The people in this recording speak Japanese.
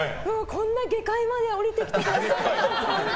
こんな下界まで下りてきてくださって。